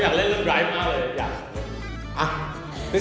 อยู่บนเล่นเรื่องรไลฟ์มากเลย